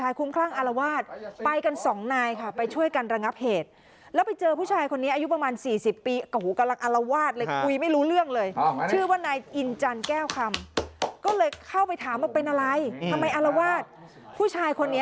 ยุทธวิธีนี้ยุทธวิธีนี้ยุทธวิธีนี้ยุทธวิธีนี้ยุทธวิธีนี้ยุทธวิธีนี้ยุทธวิธีนี้ยุทธวิธีนี้